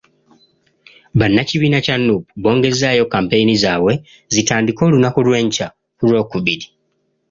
Bannakibiina kya Nuupu bongezzaayo kampeyini zaabwe, zitandike olunaku lw'enkya ku Lwokubiri.